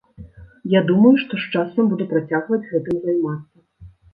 Я думаю, што з часам буду працягваць гэтым займацца.